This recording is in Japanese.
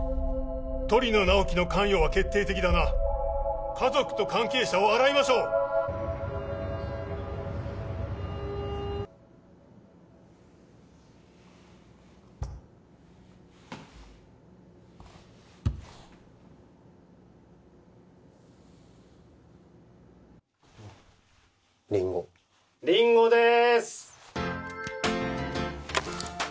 鳥野直木の関与は決定的だな家族と関係者を洗いましょうリンゴリンゴです